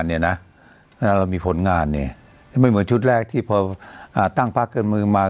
เพราะฉะนั้นเรามีผลงานนี่ไม่เหมือนชุดแรกที่พอตั้งพระเกิดมือมา